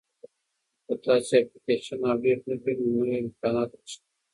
که تاسي اپلیکیشن اپډیټ نه کړئ نو نوي امکانات نه ښکاري.